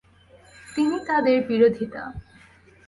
তিনি তাদের বিরোধিতা